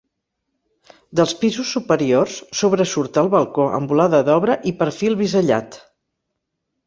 Dels pisos superiors sobresurt el balcó amb volada d'obra i perfil bisellat.